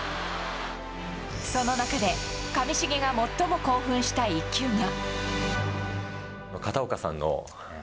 その中で上重が最も興奮した１球が。